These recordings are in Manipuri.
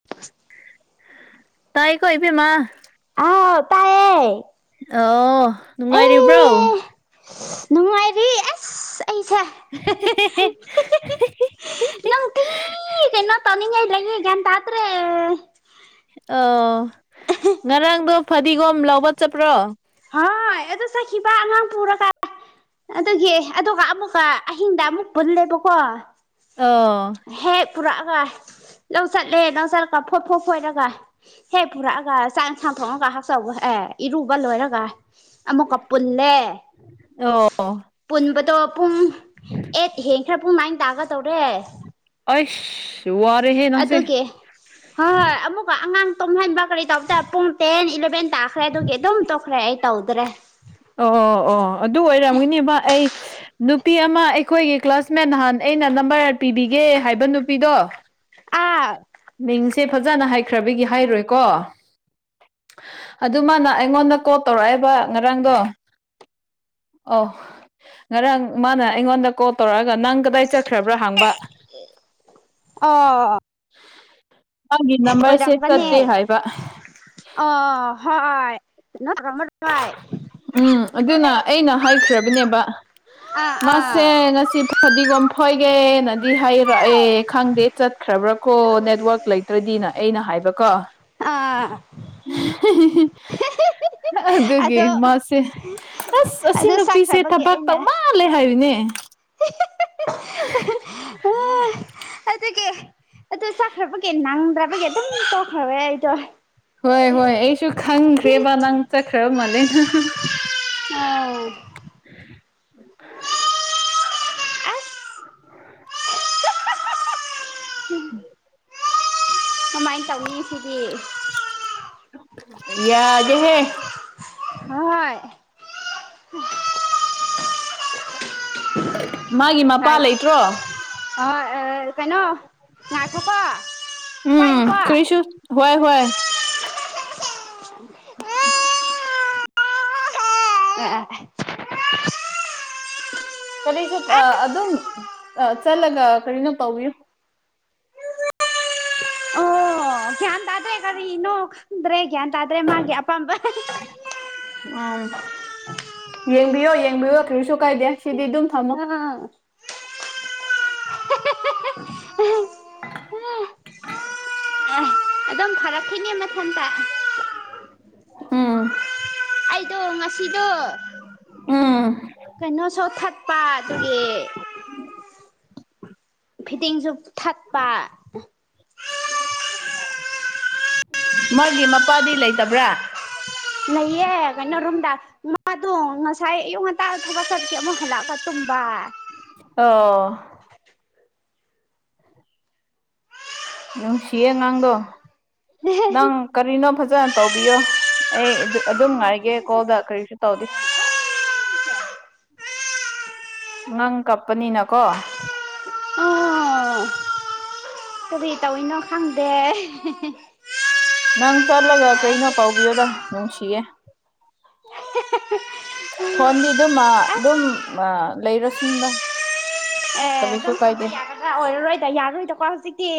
[unintelligible] ꯉꯥꯏ ꯀꯣ ꯏꯕꯤꯃ ꯑꯥꯎ ꯇꯥꯏꯌꯦ ꯑ ꯅꯨꯡꯉꯥꯏꯔꯤꯕꯕ꯭ꯔꯣ ꯑꯩ ꯅꯨꯡꯉꯥꯏꯔꯤ ꯑꯁ ꯑꯩꯁꯦ ꯅꯪ ꯊꯤ ꯅꯣ ꯇꯅꯤꯡꯉꯩ ꯂꯩꯒ ꯇꯥꯇꯔꯦ ꯑ ꯉꯔꯥꯡꯗꯣ ꯐꯗꯤꯒꯣꯝ ꯂꯧꯕ ꯆꯠꯄ꯭ꯔꯣ ꯍꯣꯏ ꯑꯦꯗꯨ ꯆꯈꯤꯕ ꯅꯪ ꯄꯨꯔ ꯀꯥꯏ ꯑꯗꯨꯒꯤ ꯑꯗꯨꯒ ꯑꯃꯨꯛꯀ ꯑꯍꯤꯡꯗ ꯑꯃꯨꯛ ꯄꯨꯜꯂꯦꯕꯀꯣ ꯑꯥ ꯍꯦꯛ ꯄꯨꯔꯛꯑꯒ ꯂꯧ ꯆꯠꯂꯦ ꯂꯧ ꯆꯠꯂꯒ ꯐꯣꯠ ꯐꯣꯠ ꯐꯣꯏꯔꯒ ꯍꯦꯛ ꯐꯔꯛꯑꯒ ꯆꯥꯛ ꯁꯥꯟꯊꯣꯛꯑꯒ ꯍꯛꯆꯧꯕ ꯑꯦ ꯏꯔꯨꯕ ꯂꯣꯏꯔꯒ ꯑꯃꯃꯛ ꯀꯞ ꯄꯨꯜꯂꯦ ꯑꯣ ꯄꯨꯟꯕꯗꯣ ꯄꯨꯡ ꯑꯩꯠ ꯍꯦꯟ ꯈ꯭ꯔꯦ ꯄꯨꯡ ꯅꯥꯏꯟ ꯇꯥꯒ ꯇꯧꯔꯦ ꯑꯩꯁ ꯋꯥꯔꯦꯍꯦ ꯅꯪꯁꯦ ꯑꯗꯨꯒꯤ ꯍꯣꯏ ꯍꯣꯏ ꯑꯃꯨꯛꯀ ꯑꯉꯥꯡ ꯇꯨꯝꯍꯟꯕ ꯀꯔꯤ ꯇꯧꯕꯗ ꯄꯨꯡ ꯇꯦꯟ ꯏꯂꯚꯦꯟ ꯇꯥꯈ꯭ꯔꯦ ꯑꯗꯨꯒꯤ ꯑꯗꯨꯝ ꯇꯣꯛꯈ꯭ꯔꯦ ꯑꯩ ꯇꯧꯗ꯭ꯔꯦ ꯑꯣ ꯑꯣ ꯑꯣ ꯑꯗꯨ ꯑꯣꯏꯔꯝꯒꯅꯦꯕ ꯑꯩ ꯅꯨꯄꯤ ꯑꯃ ꯑꯩꯈꯣꯏꯒꯤ ꯀ꯭ꯂꯥꯁꯃꯦꯠ ꯅꯍꯥꯟ ꯑꯩꯅ ꯅꯝꯕꯔ ꯄꯤꯕꯤꯒꯦ ꯍꯥꯏꯕ ꯅꯨꯄꯤꯗꯣ ꯑꯥ ꯃꯤꯡꯁꯦ ꯐꯖꯅ ꯍꯥꯏꯈ꯭ꯔꯕꯒꯤ ꯍꯥꯏꯔꯣꯏꯀꯣ ꯑꯗꯨ ꯃꯥꯅ ꯑꯩꯉꯣꯟꯗ ꯀꯣꯜ ꯇꯧꯔꯛꯑꯦꯕ ꯉꯔꯥꯡꯗꯣ ꯑꯣ ꯉꯔꯥꯡ ꯃꯥꯅ ꯑꯩꯉꯣꯟꯗ ꯀꯣꯜ ꯇꯧꯔꯛꯑꯒ ꯅꯪ ꯅꯣꯏ ꯆꯠꯈ꯭ꯔꯕ꯭ꯔꯥ ꯍꯥꯪꯕ ꯑꯣ ꯃꯥꯒꯤ ꯅꯝꯕꯔꯁꯦ ꯆꯠꯇꯦ ꯍꯥꯏꯕ ꯑ ꯍꯣꯏ ꯍꯣꯏ [inaudible] ꯎꯝ ꯑꯗꯨꯅ ꯑꯩꯅ ꯍꯥꯏꯈ꯭ꯔꯕꯅꯦꯕ ꯑꯥ ꯑꯥ ꯃꯥꯁꯦ ꯉꯁꯤ ꯐꯗꯤꯒꯣꯝ ꯐꯣꯏꯒꯦꯅꯗꯤ ꯍꯥꯏꯔꯛꯑꯦ ꯈꯪꯗꯦ ꯆꯠꯈ꯭ꯔꯕ꯭ꯔꯥ ꯀꯣ ꯅꯦꯠꯋꯥꯔꯛ ꯂꯩꯇ꯭ꯔꯗꯤꯅ ꯑꯩꯅ ꯍꯥꯏꯕꯀꯣ ꯑꯥ ꯍꯤꯍꯤ ꯑꯗꯨ ꯒꯤ ꯑꯗꯣ ꯃꯥꯁꯦ ꯑꯁ ꯑꯁꯤ ꯑꯗꯨ ꯅꯨꯄꯤꯁꯦ ꯆꯠꯈ꯭ꯔꯕꯒꯤ ꯊꯕꯛ ꯇꯧ ꯃꯥꯜꯂꯦ ꯍꯥꯏꯔꯤꯅꯦ ꯍꯤꯍꯤꯍꯤ ꯑꯗꯨꯒꯤ ꯑꯗꯨ ꯆꯈ꯭ꯔꯕꯒꯤ ꯅꯪꯗ꯭ꯔꯕꯒꯤ ꯑꯗꯨꯝ ꯇꯣꯛꯈ꯭ꯔꯔꯦ ꯑꯩꯗꯣ ꯍꯣꯏ ꯍꯣꯏ ꯑꯩꯁꯨ ꯈꯪꯈ꯭ꯔꯦꯕ ꯅꯪ ꯆꯠꯈ꯭ꯔꯕ ꯃꯥꯜꯂꯦ ꯅꯪ ꯑꯧ ꯑꯁ [unintelligible] ꯀꯃꯥꯏ ꯇꯧꯅꯤ ꯁꯤꯗꯤ ꯌꯥꯗꯦ ꯍꯦ ꯍꯣꯏ ꯃꯥꯒꯤ ꯃꯄꯥ ꯂꯩꯇ꯭ꯔꯣ ꯑꯣ ꯑ ꯀꯩꯅꯣ ꯉꯥꯏꯈꯣ ꯀꯣ ꯎꯝ ꯄꯥꯏꯌꯨꯀꯣ ꯀꯔꯤꯁꯨ ꯍꯣꯏ ꯍꯣꯏ [inaudible] ꯑ [inaudible] ꯀꯔꯤꯁꯨ ꯑꯗꯨꯝ ꯆꯠꯂꯒ ꯀꯔꯤꯅꯣ ꯇꯧꯏ [unintelligible] ꯒꯌꯥꯟ ꯇꯥꯗ꯭ꯔꯦ ꯀꯔꯤ ꯏꯅꯣ ꯈꯥꯪꯗ꯭ꯔꯦ ꯒꯌꯥꯟ ꯇꯥꯗ꯭ꯔꯦ ꯃꯥꯒꯤ ꯑꯄꯥꯝꯕ ꯎꯝ ꯌꯦꯡꯕꯤꯌꯣ ꯌꯦꯡꯕꯤꯌꯣ ꯀꯩꯁꯨ ꯀꯥꯏꯗꯦ ꯁꯤꯗꯤ ꯑꯗꯨꯝ ꯊꯝ ꯎꯝ ꯎꯝ [inaudible] ꯑꯗꯨꯝ ꯐꯔꯛꯈꯤꯅꯤ ꯃꯊꯟꯗ ꯎꯝ ꯑꯩꯗꯣ ꯉꯁꯤꯗꯣ ꯎꯝ ꯀꯩꯅꯣꯁꯨ ꯊꯛꯄ ꯑꯗꯨꯒꯤ ꯐꯤꯠꯇꯤꯡꯁꯨ ꯊꯛꯄ ꯎ [inaudible] ꯃꯥꯒꯤ ꯃꯄꯥꯗꯤ ꯂꯩꯇꯕ꯭ꯔꯥ ꯂꯩꯌꯦ꫰ꯀꯩꯅꯣ ꯔꯨꯝꯗꯥ ꯃꯥꯗꯣ ꯉꯁꯥꯏ ꯑꯌꯨꯛ ꯉꯟꯇꯥ ꯊꯕꯛ ꯆꯠꯀꯦ ꯑꯃꯨꯛ ꯍꯜꯂꯛꯑꯒ ꯇꯨꯝꯕ ꯑꯣ ꯅꯨꯡꯁꯤꯌꯦ ꯑꯉꯥꯡꯗꯣ ꯅꯪ ꯀꯔꯤꯅꯣ ꯐꯖꯅ ꯇꯧꯕꯤꯌꯣ ꯑꯩ ꯑ ꯑꯗꯨꯝ ꯉꯥꯏꯒꯦ ꯀꯣꯜꯗ ꯀꯔꯤꯁꯨ ꯇꯧꯗꯦ ꯉꯥꯡ ꯀꯞꯄꯅꯤꯅꯀꯣ ꯑꯣ [unintelligible] ꯀꯔꯤ ꯇꯧꯔꯤꯅꯣ ꯈꯪꯗꯦ ꯍꯤꯍꯤ ꯅꯪ ꯆꯠꯂꯒ ꯀꯩꯅꯣ ꯇꯧꯕꯤꯌꯣꯗ ꯅꯨꯡꯁꯤꯌꯦ [inaudible] ꯐꯣꯟꯗꯤ ꯑꯗꯨꯝ ꯑꯁ ꯑꯗꯨꯝ ꯂꯩꯔꯁꯨꯝꯗ ꯑꯦ ꯑꯗꯨꯝ ꯈꯟꯕ ꯌꯥꯒꯗ꯭ꯔꯥ ꯑꯣꯏꯔꯔꯣꯏꯗ ꯌꯥꯔꯣꯏꯗꯀꯣ ꯍꯧꯖꯤꯛꯇꯤ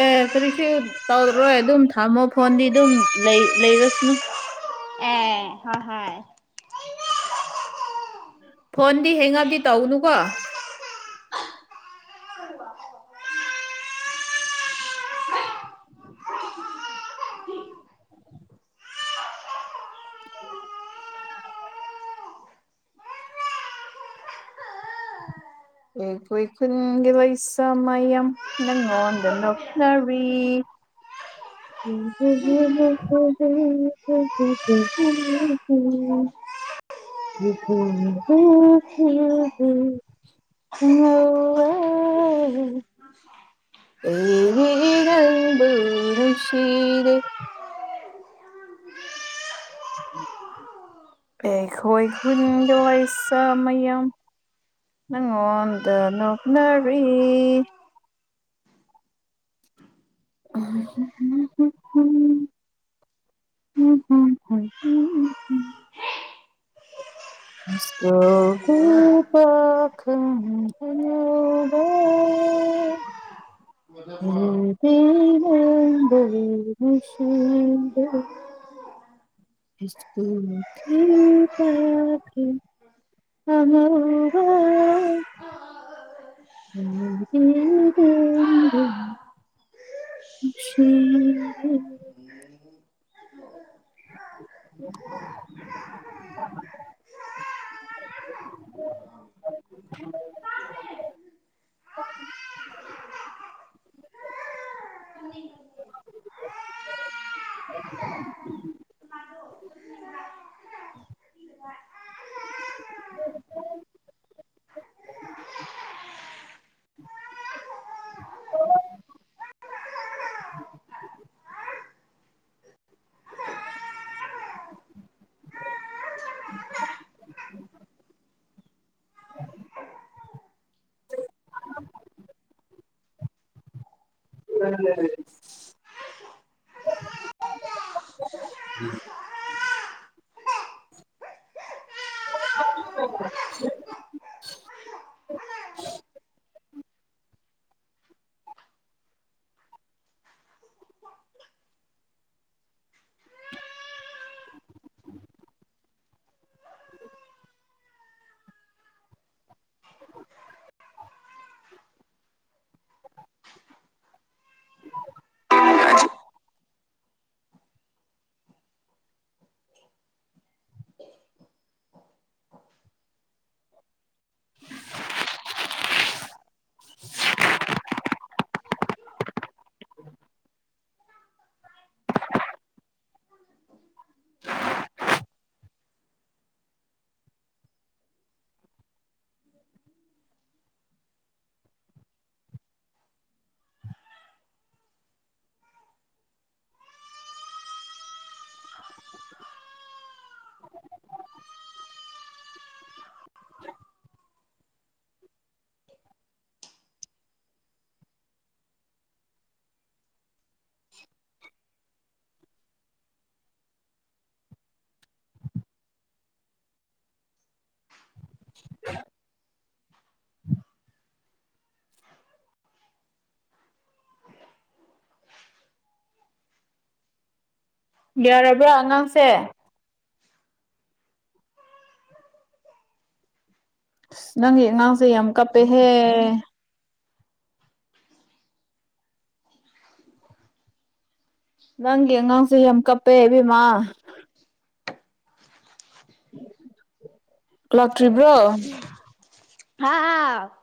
ꯑꯦ ꯀꯔꯤꯁꯨ ꯇꯧꯔꯔꯣꯏ ꯑꯗꯨꯝ ꯊꯝꯃꯣ ꯐꯣꯟꯗꯤ ꯑꯗꯨꯝ ꯂꯩꯔꯁꯅꯨ ꯑꯦ ꯍꯣꯏ ꯍꯣꯏ ꯐꯣꯟꯗꯤ ꯍꯦꯡꯑꯞꯗꯤ ꯇꯧꯅꯨꯀꯣ [inaudible] [inaudible] ꯑꯩꯈꯣꯏ ꯈꯨꯟꯒꯤ ꯂꯣꯏꯁꯝ ꯃꯌꯥꯝ ꯅꯪꯉꯣꯟꯗ ꯅꯣꯛꯅꯔꯤ [inaudible] [inaudible] ꯑ ꯑꯦꯔꯦꯔꯝꯕꯔꯁꯤꯤꯔꯦ ꯈꯣꯏ ꯈꯨꯟꯖꯁ ꯃꯌꯥꯝꯝ ꯅꯪꯉꯉꯣꯟꯗ ꯅꯣꯛꯅꯔꯤ ꯎ ꯍꯣꯏ ꯎꯝ ꯎꯝ ꯏꯁꯀ ꯀꯨ ꯄꯈꯪ ꯍꯕ [inaudible] ꯎꯗ ꯁꯤꯗ ꯏꯁꯀꯨ ꯊ ꯍ ꯍ ꯎ ꯁꯤꯦ ꯑ ꯎ ꯐ ꯍ ꯎ [inaudible] [inaudible] ꯎꯝ [inaudible] [inaudible] [inaudible] [inaudible] ꯌꯥꯔꯕ꯭ꯔꯥ ꯑꯉꯥꯡꯁꯦ ꯅꯪꯒꯤ ꯑꯉꯥꯡꯁꯦ ꯌꯥꯝ ꯀꯞꯄꯦꯍꯦ ꯅꯪꯒꯤ ꯑꯉꯥꯡꯁꯦ ꯌꯥꯝ ꯀꯞꯄꯦ ꯏꯕꯦꯝꯃꯥ ꯂꯥꯛꯇ꯭ꯔꯤꯕ꯭ꯔꯣ ꯍꯥ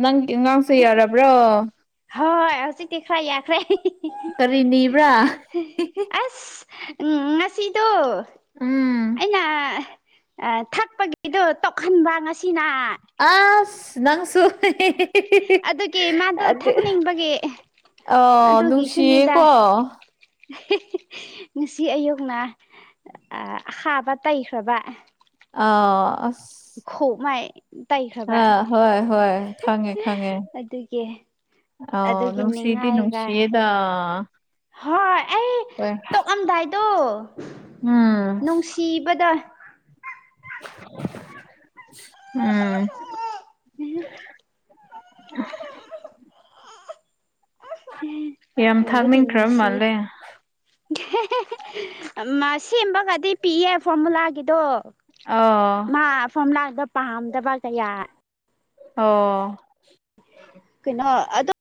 ꯅꯪ ꯑꯉꯥꯡꯁꯦ ꯌꯥꯔꯕ꯭ꯔꯣ ꯍꯣꯏ ꯍꯧꯁꯤ ꯇꯤꯈ꯭ꯔ ꯌꯥꯈ꯭ꯔꯦ ꯀꯔꯤ ꯅꯤꯕ꯭ꯔꯥ ꯑ ꯎꯝ ꯉꯁꯤꯗꯣ ꯎꯝ ꯑꯩꯅ ꯑ ꯊꯛꯄꯒꯤꯗꯣ ꯇꯣꯛꯍꯟꯕ ꯉꯁꯤꯅ ꯑ ꯅꯪꯁꯨ ꯑꯗꯨꯒꯤ ꯃꯥꯗꯣ ꯑ ꯊꯛꯅꯤꯡꯕꯒꯤ ꯑ ꯑꯗꯨꯒꯤꯁꯨꯅꯤꯗ ꯅꯨꯡꯁꯤꯌꯦꯀꯣ ꯉꯁꯤ ꯑꯌꯨꯛꯅ ꯑꯁꯥꯕ ꯇꯩꯈ꯭ꯔꯕ ꯑ ꯈꯣꯛ ꯃꯥꯏ ꯇꯩꯈ꯭ꯔꯕ ꯍꯣꯏ ꯍꯣꯏ ꯑꯗꯨꯒꯤ ꯑꯗꯨꯒꯤ ꯑꯅꯨꯡ ꯅꯤꯡꯉꯥꯏꯒ ꯁꯤꯗꯤꯤꯅꯨꯡꯁꯤꯦꯗ ꯍꯣꯏ ꯑꯩ ꯇꯣꯛꯑꯝꯗꯥꯏꯗꯣ ꯎꯝ ꯁꯤꯕꯗ ꯎꯝ ꯎꯝ ꯌꯥꯝ ꯅꯨꯡꯕꯨꯗꯤ ꯊꯥꯛꯅꯤꯡꯈ꯭ꯔ ꯅꯨꯡꯁꯤꯌꯦ ꯃꯥꯜꯂꯦ ꯁꯦꯝꯕꯒꯗꯤ ꯄꯤꯌꯦ ꯐꯣꯔꯃꯨꯂꯥꯒꯤꯗꯣ ꯑꯥ ꯃꯥ ꯐꯣꯝꯂꯥꯛꯗ ꯄꯥꯝꯗꯕ ꯀꯌꯥ ꯑꯣ ꯀꯩꯅꯣ ꯑꯗꯨꯝ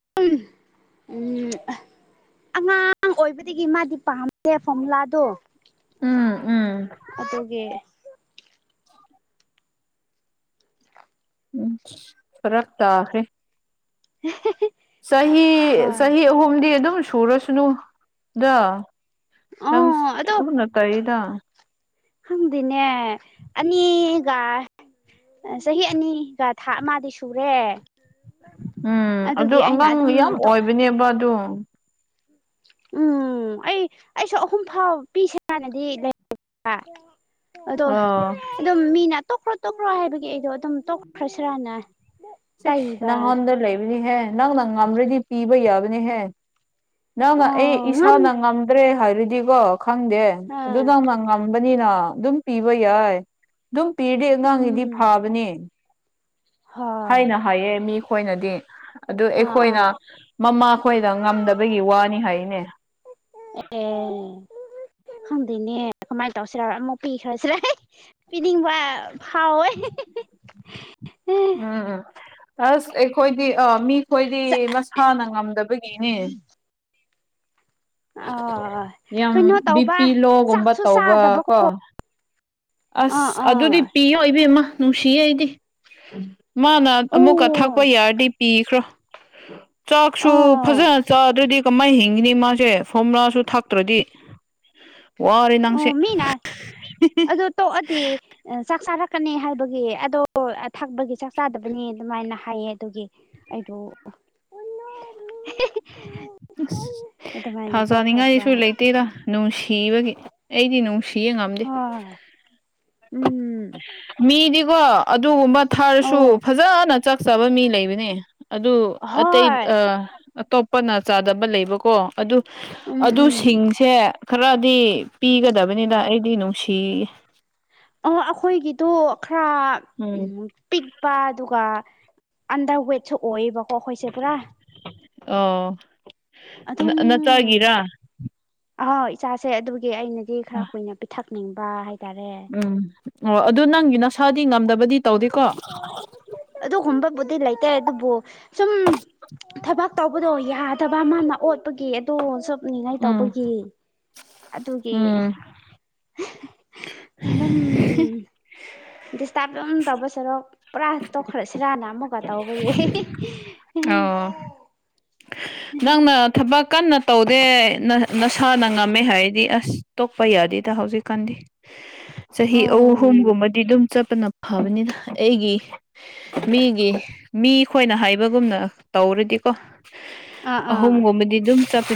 ꯑꯉꯥꯡ ꯑꯉꯥꯡ ꯑꯣꯏꯕꯗꯒꯤ ꯃꯥꯗꯤ ꯄꯥꯝꯗꯦ ꯐꯣꯔꯃꯨꯂꯥꯗꯣ ꯎꯝ ꯎꯝ ꯑꯗꯨꯒꯤ ꯎꯝ ꯐꯔꯛꯇꯦ ꯆꯍꯤ ꯍꯣꯏ ꯆꯍꯤ ꯑꯍꯨꯝꯗꯤ ꯑꯗꯨꯝ ꯁꯨꯔꯁꯅꯨꯗ ꯅꯪ ꯑꯣ ꯎꯅ ꯀꯔꯤꯗ ꯍꯪꯗꯅꯦ ꯑꯅꯤꯒ ꯆꯍꯤ ꯑꯅꯤꯒ ꯊꯥ ꯑꯃꯗꯤꯗꯤ ꯁꯨꯔꯦ ꯎꯝ ꯑꯗꯨ ꯑꯗꯨꯒꯤ ꯑꯩꯅ ꯑꯉꯥꯡ ꯑꯗꯨꯝ ꯌꯥꯝ ꯇꯣꯛ ꯑꯣꯏꯕꯅꯦꯕ ꯑꯗꯨ ꯎꯝ ꯑꯩ ꯑꯩꯁꯨ ꯑꯍꯨꯝ ꯐꯥꯎ ꯄꯤꯁꯔꯥꯟꯅꯗꯤ ꯂꯩ ꯑꯗꯣ ꯑꯥ ꯑꯗꯨꯝ ꯃꯤꯅ ꯇꯣꯛꯈ꯭ꯔꯣ ꯇꯣꯛꯈ꯭ꯔꯣ ꯍꯥꯏꯕꯒꯤ ꯑꯩꯗꯣ ꯑꯗꯨꯝ ꯇꯣꯛꯈ꯭ꯔꯁꯤꯔꯥꯅ ꯁꯤꯅꯥ ꯇꯩꯕ ꯍꯣꯟꯗ ꯂꯩꯕ ꯍꯦ ꯅꯪꯅꯪ ꯉꯝ꯭ꯔꯗꯤ ꯄꯤꯕ ꯌꯥꯕꯅꯦꯍꯦ ꯅꯪꯅ ꯑꯩ ꯑꯣ ꯉꯝ ꯏꯁꯥꯅ ꯉꯝꯗ꯭ꯔꯦ ꯍꯥꯏꯔꯗꯤꯀꯣ ꯈꯪꯗꯦ ꯑꯗꯨ ꯑꯥ ꯅꯪꯅ ꯝꯕꯅꯤꯅ ꯑꯗꯨꯝ ꯄꯤꯕ ꯌꯥꯏ ꯑꯗꯨꯝ ꯄꯤꯔꯗꯤ ꯑꯉꯥꯡꯁꯤꯗꯤ ꯎꯝ ꯐꯥꯕꯅꯦ ꯍꯣꯏ ꯍꯥꯏꯅ ꯍꯥꯏꯌꯦ ꯃꯤ ꯈꯣꯏꯅꯗꯤ ꯑꯗꯨ ꯑꯥ ꯑꯩꯈꯣꯏꯅ ꯑꯥ ꯃꯃꯥ ꯈꯈꯣꯏꯗ ꯉꯝꯗꯕꯒꯤ ꯋꯥꯅꯤ ꯍꯥꯏꯅꯦ ꯑꯦ ꯈꯪꯗꯣꯏꯅꯦ ꯀꯃꯥꯏꯅ ꯇꯧꯁꯤꯔ ꯑꯃꯨꯛ ꯄꯤꯈ꯭ꯔꯁꯤꯔ ꯄꯤꯅꯤꯡꯕ ꯐꯥꯎꯋꯦ ꯎ ꯎꯝ ꯎꯝ ꯑꯁ ꯑꯩꯈꯣꯏꯗꯤ ꯑ ꯃꯤꯈꯣꯏꯗꯤ ꯃꯁꯥꯅ ꯉꯝꯗꯕꯒꯤꯅꯦ ꯑ ꯌꯥꯝ ꯀꯩꯅꯣ ꯕꯤ ꯄꯤ ꯇꯧꯕ ꯂꯣꯒꯨꯝꯕ ꯆꯥꯛꯁꯨ ꯇꯧꯕ ꯆꯥꯗꯕꯀꯣ ꯀꯣ ꯑꯥ ꯑꯁ ꯑꯗꯨꯗꯤ ꯑꯥ ꯄꯤꯌꯣ ꯏꯕꯦꯝꯃ ꯅꯨꯡꯁꯤꯌꯦ ꯑꯩꯗꯤ ꯃꯥꯅ ꯑꯃꯨꯛꯀ ꯊꯛꯄ ꯑꯣ ꯌꯥꯔꯗꯤ ꯄꯤꯈ꯭ꯔꯣ ꯆꯥꯛꯁꯨ ꯑꯣ ꯐꯖꯅ ꯆꯥꯗ꯭ꯔꯗꯤ ꯀꯃꯥꯏꯅ ꯍꯤꯡꯈꯤꯅꯤ ꯃꯥꯁꯦ ꯐꯣꯝꯣꯔꯥꯁꯨ ꯊꯥꯛꯇ꯭ꯔꯗꯤ ꯑꯣ ꯃꯤꯅ ꯑꯗꯨ ꯇꯣꯛꯑꯗꯤ ꯆꯥꯛ ꯆꯥꯔꯛꯀꯅꯤ ꯍꯥꯏꯕꯒꯤ ꯑꯗꯣ ꯊꯛꯄꯒꯤ ꯆꯥꯛ ꯆꯥꯗꯕꯅꯤ ꯑꯗꯨꯃꯥꯏꯅ ꯍꯥꯏꯌꯦ ꯑꯗꯨꯒꯤ ꯑꯩꯗꯣ ꯑ ꯊꯥ ꯑꯗꯨꯃꯥꯏꯅ ꯇꯣꯛꯈ꯭ꯔꯕ ꯆꯥꯅꯤꯡꯉꯥꯏꯁꯨ ꯂꯩꯇꯦꯔ ꯅꯨꯡꯁꯤꯕꯒꯤ ꯑꯩꯗꯤ ꯅꯨꯡꯁꯤꯌꯦ ꯉꯝꯗꯦ ꯍꯣꯏ ꯎꯝ ꯃꯤꯗꯤꯀꯣ ꯑꯗꯨꯒꯨꯝꯕ ꯊꯔꯁꯨ ꯑꯣ ꯐꯖꯅ ꯆꯥꯛ ꯆꯕ ꯃꯤ ꯂꯩꯕꯅꯦ ꯑꯗꯨ ꯑꯇꯩ ꯍꯣꯏ ꯑ ꯑꯇꯣꯞꯄꯅ ꯆꯥꯗꯕ ꯂꯩꯕꯀꯣ ꯑꯗꯨ ꯎꯝ ꯑꯗꯨ ꯎꯝ ꯁꯤꯡꯁꯦ ꯈꯔꯗꯤ ꯄꯤꯒꯗꯕꯅꯤꯅ ꯑꯩꯗꯤ ꯅꯨꯡꯁꯤꯌꯦꯦ ꯑ ꯑꯩꯈꯣꯏꯒꯤꯗꯣ ꯈꯔ ꯎ ꯄꯤꯛꯄ ꯑꯗꯨꯒ ꯑꯟꯗꯔ ꯋꯦꯠꯁꯨ ꯑꯣꯏꯌꯦꯕꯀꯣ ꯑꯩꯈꯣꯏꯁꯦ ꯄꯨꯔꯥ ꯑꯣ ꯅ ꯅꯆꯥꯒꯤꯔ ꯑꯍꯧ ꯏꯆꯥꯁꯦ ꯑꯗꯨꯒꯤ ꯑꯩꯅꯗꯤ ꯈꯔ ꯀꯨꯏꯅ ꯄꯤꯊꯛꯅꯤꯡꯕ ꯍꯥꯏꯇꯥꯔꯦ ꯎꯝ ꯑꯣ ꯑꯗꯨ ꯅꯪꯒꯤ ꯅꯁꯥꯗꯤ ꯉꯝꯗꯕꯗꯤ ꯇꯧꯗꯦꯀꯣ ꯑꯗꯨ ꯍꯨꯝꯕꯕꯨꯗꯤ ꯂꯩꯇꯦ ꯑꯗꯨꯕꯨ ꯁꯨꯝ ꯊꯕꯛ ꯇꯧꯕꯗꯣ ꯌꯥꯗꯕ ꯃꯥꯅ ꯑꯣꯠꯄꯒꯤ ꯑꯗꯨꯣ ꯁꯞꯅꯤꯡꯉꯥꯏ ꯎꯝ ꯇꯧꯕꯒꯤ ꯑꯗꯨꯒꯤ ꯑꯗꯨꯝ ꯗꯤꯁꯇꯥꯔꯕ ꯑꯗꯨ ꯇꯧꯕꯁꯤꯔꯣ ꯄꯨꯔꯥ ꯇꯣꯛꯈ꯭ꯔꯁꯤꯔꯥꯟꯅ ꯑꯃꯨꯛꯀ ꯇꯧꯕꯒꯤ ꯑꯣ ꯅꯪꯅ ꯊꯕꯛ ꯀꯟꯅ ꯇꯧꯗꯦ ꯅꯁꯥꯅ ꯉꯝꯃꯦ ꯍꯥꯏꯔꯗꯤ ꯑꯁ ꯇꯣꯛꯄ ꯌꯥꯗꯦꯗ ꯍꯧꯖꯤꯛꯀꯥꯟꯗꯤ ꯆꯍꯤ ꯑꯍ ꯎꯝ ꯑꯍꯨꯝꯒꯨꯝꯕꯗꯤ ꯑꯗꯨꯝ ꯆꯠꯄꯅ ꯐꯕꯅꯤꯅ ꯑꯩꯒꯤ ꯃꯤꯒꯤ ꯃꯤ ꯈꯈꯣꯏꯅ ꯍꯥꯏꯕꯒꯨꯝꯅ ꯇꯧꯔꯗꯤꯀꯣ ꯑꯥ ꯑꯥ ꯑꯍꯨꯝꯒꯨꯝꯕꯗꯤ ꯑꯗꯨꯝ ꯆꯠꯄ